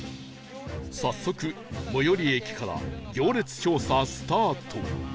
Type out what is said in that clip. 早速最寄り駅から行列調査スタート